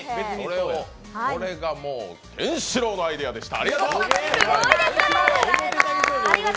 これがもう、健志郎のアイデアでした。